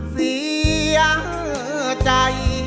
เสียใจ